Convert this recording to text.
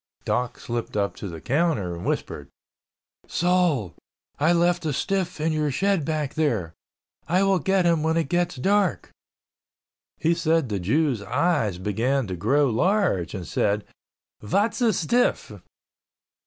Doc slipped up to the counter and whispered, "Sol, I left a stiff in your shed back there. I will get him when it gets dark." He said the Jew's eyes began to grow large and said, "Vat's a stiff?"